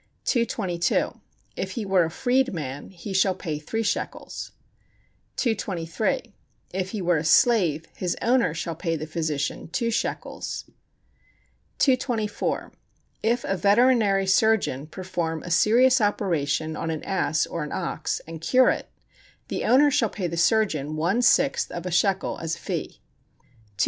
222. If he were a freed man he shall pay three shekels. 223. If he were a slave his owner shall pay the physician two shekels. 224. If a veterinary surgeon perform a serious operation on an ass or an ox, and cure it, the owner shall pay the surgeon one sixth of a shekel as fee. 225.